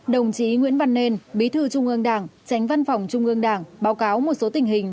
đồng chí nguyễn văn nên bí thư trung ương đảng tránh văn phòng trung ương đảng báo cáo một số tình hình